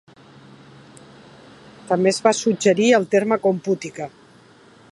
També es va suggerir el terme "compútica".